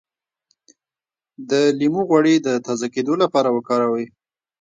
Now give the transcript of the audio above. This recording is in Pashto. د لیمو غوړي د تازه کیدو لپاره وکاروئ